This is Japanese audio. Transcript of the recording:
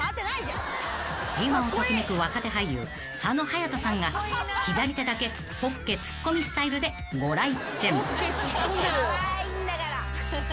［今を時めく若手俳優佐野勇斗さんが左手だけポッケ突っ込みスタイルでご来店］